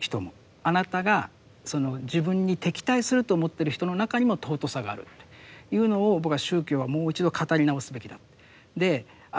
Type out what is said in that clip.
あなたが自分に敵対すると思ってる人の中にも尊さがあるというのを僕は宗教はもう一度語り直すべきだ。